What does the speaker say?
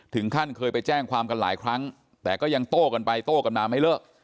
ถึงขั้นเคยไปแจ้งความกันหลายครั้งแต่ก็ยังโต้กันไปโต้กันมาไม่เลิก